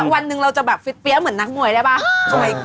วันหนึ่งเราจะแบบ๑๙๒๐เหมือนนักมวยได้ไหม